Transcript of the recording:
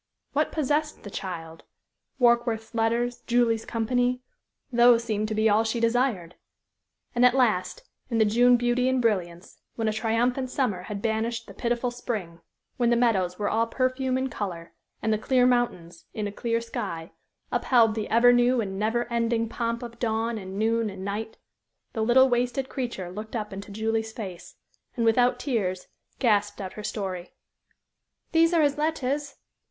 What possessed the child? Warkworth's letters, Julie's company those seemed to be all she desired. And at last, in the June beauty and brilliance, when a triumphant summer had banished the pitiful spring, when the meadows were all perfume and color, and the clear mountains, in a clear sky, upheld the ever new and never ending pomp of dawn and noon and night, the little, wasted creature looked up into Julie's face, and, without tears, gasped out her story. "These are his letters.